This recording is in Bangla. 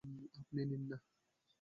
আপনি নিন না।